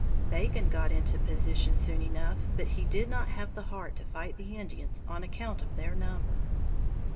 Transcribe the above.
"Bacon got into position soon enough but he did not have the heart to fight the Indians on account of their number."